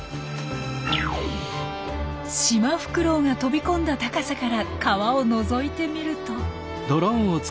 シマフクロウが飛び込んだ高さから川をのぞいてみると。